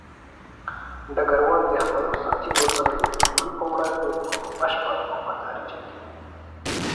ډګروال د خپلو سرتېرو سره د دښمن په وړاندې په بشپړه وفاداري جنګيږي.